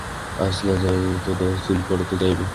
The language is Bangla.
আজ না যায় তো দশ দিন পরে তো যাইবে।